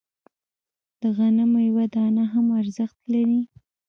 د غنمو یوه دانه هم ارزښت لري.